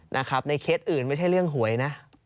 นะครับในเคล็ดอื่นไม่ใช่เรื่องหวยนะ